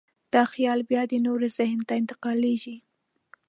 دا خیال بیا د نورو ذهن ته انتقالېږي.